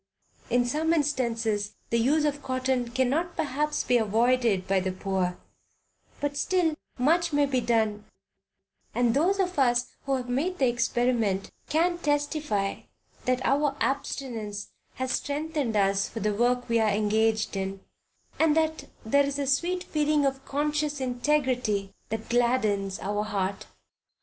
In some instances the use of cotton cannot perhaps be avoided by the poor, but still much may be done, and those of us who have made the experiment can testify that our abstinence has strengthened us for the work we are engaged in, and that there is a sweet feeling of conscious integrity that gladdens our hearts.